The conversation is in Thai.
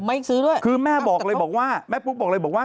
ไม่ซื้อด้วยคือแม่ปุ๊กบอกเลยว่าถ้าเกิดว่า